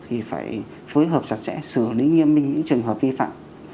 thì phải phối hợp sạch sẽ xử lý nghiêm minh những trường hợp vi phạm